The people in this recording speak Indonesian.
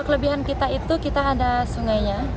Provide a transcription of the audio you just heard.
kelebihan kita itu kita ada sungainya